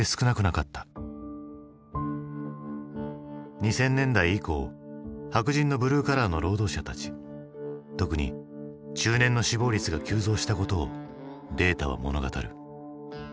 ２０００年代以降白人のブルーカラーの労働者たち特に中年の死亡率が急増したことをデータは物語る。